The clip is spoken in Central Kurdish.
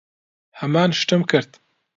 ھەمان شتم کرد.